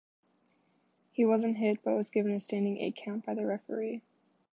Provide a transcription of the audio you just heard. He wasn't hit, but was given a standing eight-count by the referee.